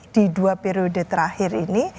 di dua periode terakhir ini